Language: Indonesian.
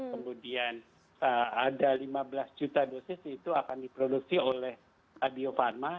kemudian ada lima belas juta dosis itu akan diproduksi oleh bio farma